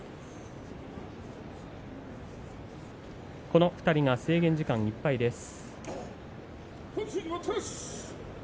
この２人が制限時間いっぱいです。